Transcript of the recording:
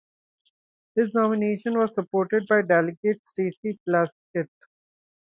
His nomination was supported by Delegate Stacey Plaskett.